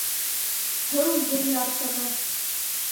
— Һыу, ен ярсығы.